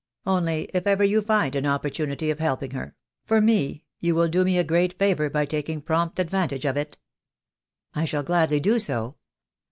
Only, if ever you find an opportunity of helping her — for me, you will do me a great favour by taking prompt advantage of it.'; "I shall gladly do so.